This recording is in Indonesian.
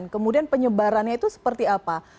kemudian penyebarannya itu seperti apa